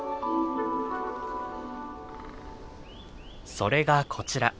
それがこちら。